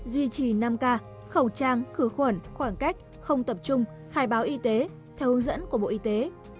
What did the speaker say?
duy trì năm k khẩu trang khử khuẩn khoảng cách không tập trung khai báo y tế theo hướng dẫn của bộ y tế